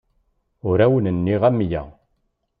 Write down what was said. Ur awen-nniɣ amya.